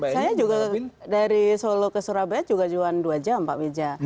saya juga dari solo ke surabaya juga cuma dua jam pak wija